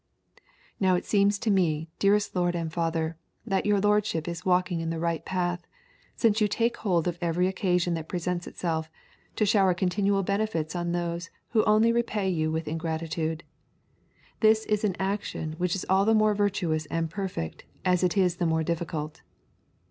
"Now it seems to me, dearest lord and father, that your lordship is walking in the right path, since you take hold of every occasion that presents itself to shower continual benefits on those who only repay you with ingratitude. This is an action which is all the more virtuous and perfect as it is the more difficult."